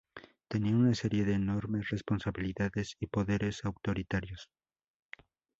Tenía una serie de enormes responsabilidades y poderes autoritarios.